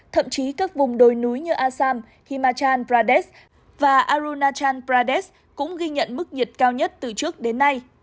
thậm chí các vùng đồi núi như asam himachal pradesh và aunachal pradesh cũng ghi nhận mức nhiệt cao nhất từ trước đến nay